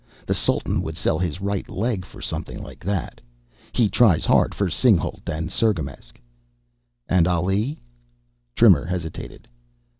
The Sultan would sell his right leg for something like that. He tries hard for Singhalût and Cirgamesç." "And Ali?" Trimmer hesitated.